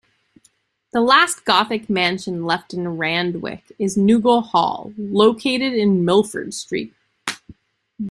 The last Gothic mansion left in Randwick is Nugal Hall, located in Milford Street.